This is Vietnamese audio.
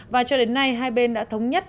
và cho đến nay hai bên đã thống nhất